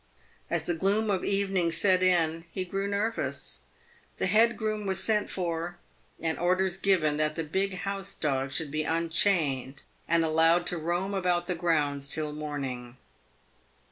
As the gloom of evening set in, he grew nervous. The head groom was sent for and orders given that the big house dog should be unchained and allowed to roam about the grounds till morn ing.